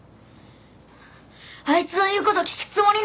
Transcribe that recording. あいつの言う事聞くつもりなの？